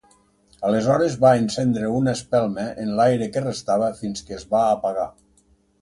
Aleshores va encendre una espelma en l'aire que restava fins que es va apagar.